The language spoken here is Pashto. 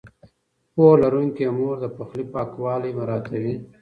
پوهه لرونکې مور د پخلي پاکوالی مراعتوي.